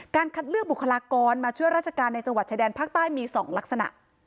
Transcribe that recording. คัดเลือกบุคลากรมาช่วยราชการในจังหวัดชายแดนภาคใต้มี๒ลักษณะ